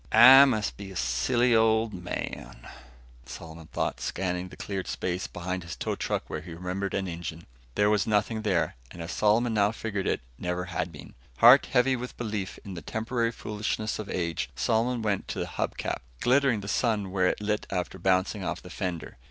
"I must be a silly old man," Solomon thought, scanning the cleared space behind his tow truck where he remembered an engine. There was nothing there, and as Solomon now figured it, never had been. Heart heavy with belief in the temporary foolishness of age, Solomon went to the hub cap, glittering the sun where it lit after bouncing off the fender.